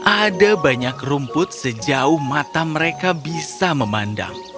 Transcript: ada banyak rumput sejauh mata mereka bisa memandang